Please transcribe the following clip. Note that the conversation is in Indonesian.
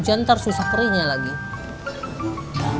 nanti kasih lo prepreken bener bisa dateng